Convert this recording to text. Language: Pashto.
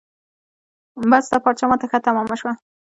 بس دا پارچه ما ته ښه تمامه شوه.